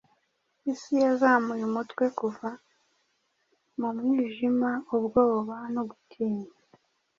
isi yazamuye umutwe Kuva mu mwijima ubwoba no gutinya,